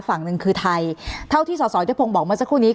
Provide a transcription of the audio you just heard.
ฝั่งหนึ่งคือไทยเท่าที่สสยุทธพงศ์บอกเมื่อสักครู่นี้